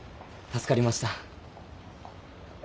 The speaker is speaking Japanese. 助かりました。